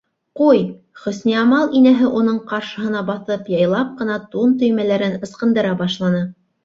Ҡуй, - Хөсниямал инәһе уның ҡаршыһына баҫып яйлап ҡына тун төймәләрен ысҡындыра башланы.